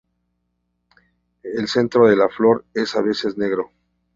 El centro de la flor es a veces negro.